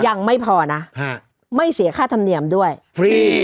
ยังไม่พอนะฮะไม่เสียค่าธรรมเนียมด้วยฟรี